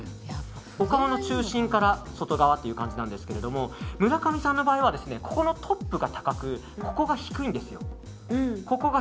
お顔の中心から外側という感じなんですけど村上さんの場合はトップが高くてここが低いんですよ。